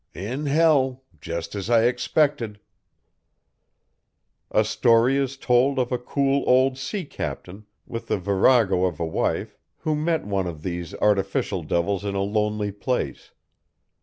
"In hell just as I expected!" A story is told of a cool old sea captain, with a virago of a wife, who met one of these artificial devils in a lonely place.